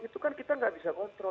itu kan kita nggak bisa kontrol